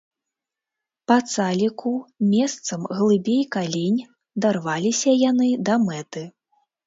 Па цаліку, месцам глыбей калень, дарваліся яны да мэты.